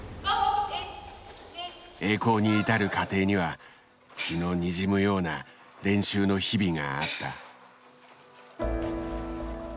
栄光に至る過程には血のにじむような練習の日々があった。